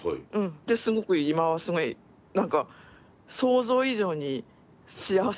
ですごく今はすごい何か想像以上に幸せなんですけど。